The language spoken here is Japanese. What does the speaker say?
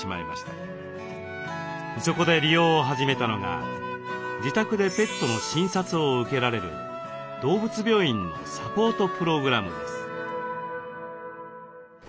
そこで利用を始めたのが自宅でペットの診察を受けられる動物病院のサポートプログラムです。